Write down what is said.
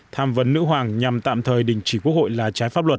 tham vấn nữ hoàng nhằm tạm thời đình chỉ quốc hội là trái pháp luật